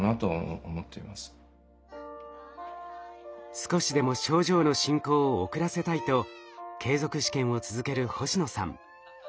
少しでも症状の進行を遅らせたいと継続試験を続ける星野さん。